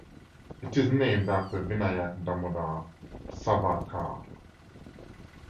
It is named after Vinayak Damodar Savarkar.